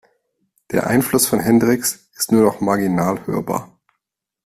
Der Einfluss von Hendrix ist nur noch marginal hörbar.